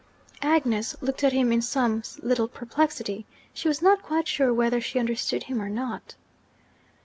Agnes looked at him in some little perplexity: she was not quite sure whether she understood him or not.